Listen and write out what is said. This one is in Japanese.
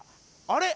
あれ？